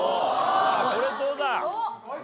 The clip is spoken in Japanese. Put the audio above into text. これどうだ？